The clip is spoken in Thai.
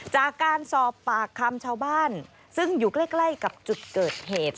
จากการสอบปากคำชาวบ้านซึ่งอยู่ใกล้กับจุดเกิดเหตุ